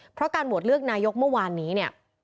เพราะการโหวตเลือกนายกเมื่อวานนี้เนี่ย